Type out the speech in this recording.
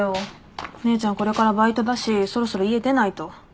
姉ちゃんこれからバイトだしそろそろ家出ないと。